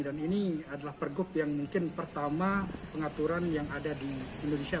dan ini adalah pergub yang mungkin pertama pengaturan yang ada di indonesia